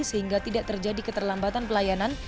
sehingga tidak terjadi keterlambatan pelayanan